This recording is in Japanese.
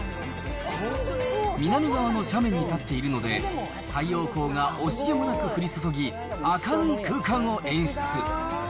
南側の斜面に建っているので、太陽光が惜しげもなく降り注ぎ、明るい空間を演出。